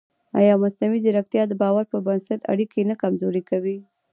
ایا مصنوعي ځیرکتیا د باور پر بنسټ اړیکې نه کمزورې کوي؟